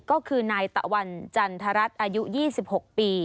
ก็คือนายตะวันจันทรัศน์อายุ๒๖ปี